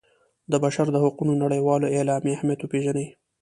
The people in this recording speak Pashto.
د بشر د حقونو نړیوالې اعلامیې اهمیت وپيژني.